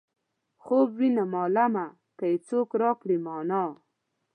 خوب وينم عالمه که یې څوک راکړل مانا.